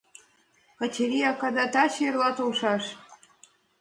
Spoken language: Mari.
— Качырий акада таче-эрла толшаш.